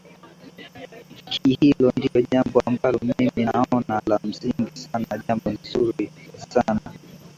K hilo ndio jambo ambalo mimi naona la msingi sana jambo nzuri sana